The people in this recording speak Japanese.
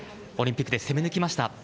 オリンピックで攻め抜きました。